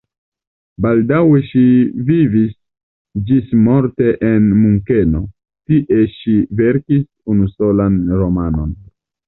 Baldaŭe ŝi vivis ĝismorte en Munkeno, tie ŝi verkis unusolan romanon.